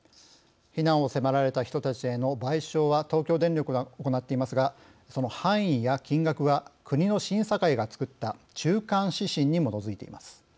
避難を迫られた人たちへの賠償は東京電力が行っていますがその範囲や金額は国の審査会が作った中間指針に基づいています。